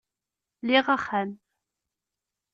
Liɣ axxam